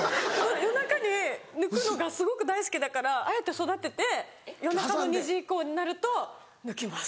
夜中に抜くのがすごく大好きだからあえて育てて夜中の２時以降になると抜きます。